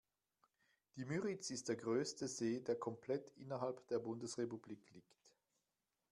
Die Müritz ist der größte See, der komplett innerhalb der Bundesrepublik liegt.